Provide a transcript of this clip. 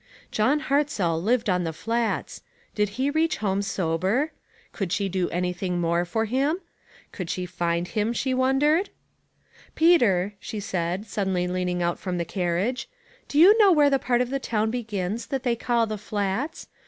John Hartzell lived on the Flats. Did he reach home sober? Could she do anything more for him? Could she find him, she wondered? "Peter," she .said, suddenly leaning out from the carriage, "do you know where the part of the town begins that they call the Flats?